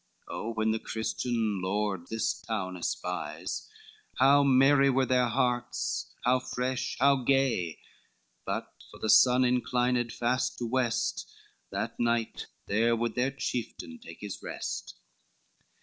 Oh, when the Christian lord this town espies How merry were their hearts? How fresh? How gay? But for the sun inclined fast to west, That night there would their chieftain take his rest.